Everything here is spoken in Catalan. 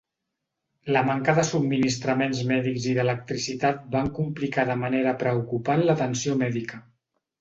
La manca de subministraments mèdics i d'electricitat van complicar de manera preocupant l'atenció mèdica.